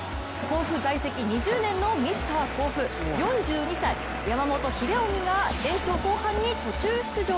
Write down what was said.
甲府在籍２０年のミスター甲府、４２歳、山本英臣が延長後半に途中出場！